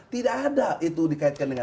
tidak ada itu dikaitkan dengan